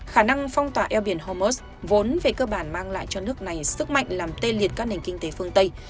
khả năng phong tỏa eo biển hormus vốn về cơ bản mang lại cho nước này sức mạnh làm tê liệt các nền kinh tế phương tây